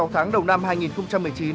sáu tháng đầu năm hai nghìn một mươi chín